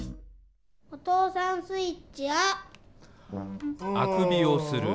おとうさんスイッチ「あ」。